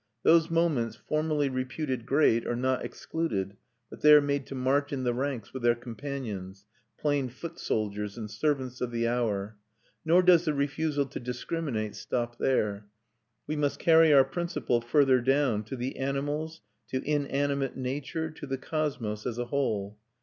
Those moments formerly reputed great are not excluded, but they are made to march in the ranks with their companions plain foot soldiers and servants of the hour. Nor does the refusal to discriminate stop there; we must carry our principle further down, to the animals, to inanimate nature, to the cosmos as a whole.